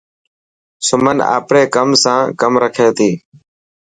سمن آپري ڪم سان ڪم رکي ٿي.